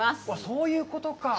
そういうことかぁ。